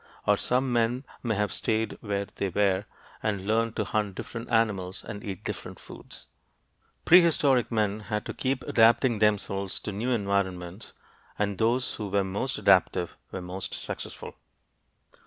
Or some men may have stayed where they were and learned to hunt different animals and eat different foods. Prehistoric men had to keep adapting themselves to new environments and those who were most adaptive were most successful.